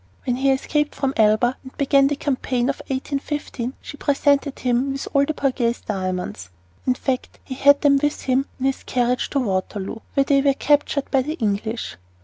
When he escaped from Elba and began the campaign of 1815 she presented him with all the Borghese diamonds. In fact, he had them with him in his carriage at Waterloo, where they were captured by the English.